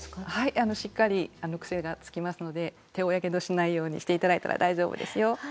しっかり癖がつきますので手をやけどしないようにして頂いたら大丈夫ですよ。